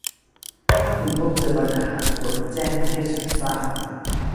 ถ้าคุณพบเจอปัญหา โปรดแจ้งให้ฉันทราบ